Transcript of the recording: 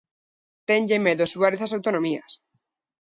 Tenlle medo Suárez ás autonomías.